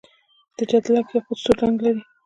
د جګدلک یاقوت سور رنګ لري.